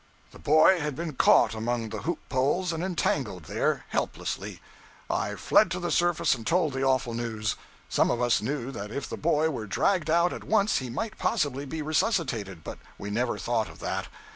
The boy had been caught among the hoop poles and entangled there, helplessly. I fled to the surface and told the awful news. Some of us knew that if the boy were dragged out at once he might possibly be resuscitated, but we never thought of that.